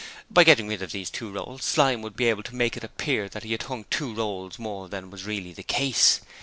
By getting rid of these two rolls, Slyme would be able to make it appear that he had hung two rolls more than was really the case.